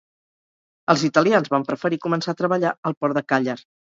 Els italians van preferir començar a treballar al port de Càller